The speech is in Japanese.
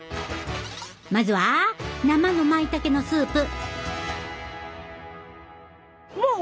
まずは生のまいたけのスープ。